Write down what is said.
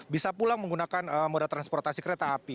bisa pulang menggunakan moda transportasi kereta api